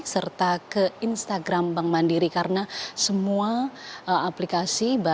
serta ke instagram bank mandiri karena semua aplikasi